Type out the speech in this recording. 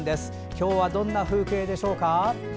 今日はどんな風景でしょうか。